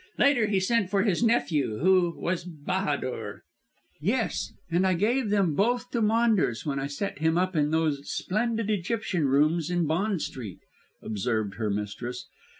Later he sent for his nephew, who was Bahadur." "Yes. And I gave them both to Maunders when I set him up in those splendid Egyptian rooms in Bond Street," observed her mistress.